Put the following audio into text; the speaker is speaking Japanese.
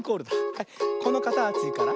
はいこのかたちから。